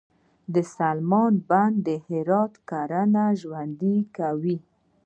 د سلما بند د هرات کرنه ژوندي کوي